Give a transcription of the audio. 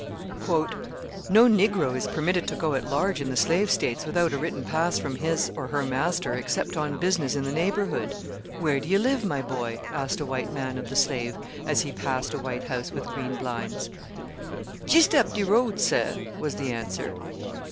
"No Negro is permitted to go at large in the Slave States without a written pass from his or her master, except on business in the neighbourhood." "Where do you live, my boy?" asked a white man of the slave, as he passed a white house with green blinds. "Jist up de road, sir," was the answer.